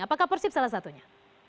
apakah persib salah satunya